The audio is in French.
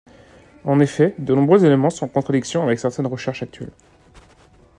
En effet, de nombreux éléments sont en contradiction avec certaines recherches actuelles.